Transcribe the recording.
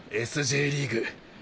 Ｓ／Ｊリーグ。